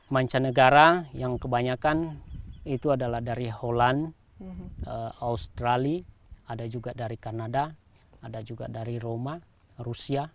mancanegara yang kebanyakan itu adalah dari holand australia ada juga dari kanada ada juga dari roma rusia